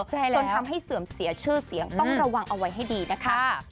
จนทำให้เสื่อมเสียชื่อเสียงต้องระวังเอาไว้ให้ดีนะคะ